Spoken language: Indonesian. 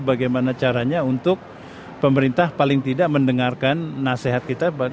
bagaimana caranya untuk pemerintah paling tidak mendengarkan nasihat kita